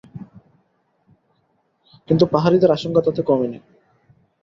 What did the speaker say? কিন্তু পাহাড়িদের আশঙ্কা তাতে কমেনি।